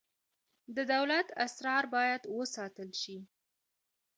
د دولت اسرار باید وساتل شي